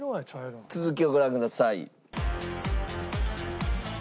続きをご覧ください。